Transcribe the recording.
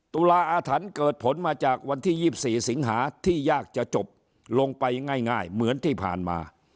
ตุลาอาถรรพ์เกิดผลมาจากวันที่๒๔สิงหาที่ยากจะจบลงไปง่ายเหมือนที่ผ่านมา